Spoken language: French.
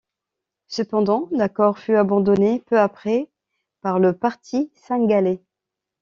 Cependant, l'accord fut abandonné peu après par le parti cingalais.